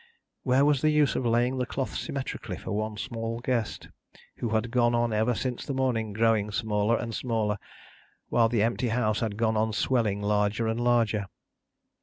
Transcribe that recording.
Where was the use of laying the cloth symmetrically for one small guest, who had gone on ever since the morning growing smaller and smaller, while the empty house had gone on swelling larger and larger?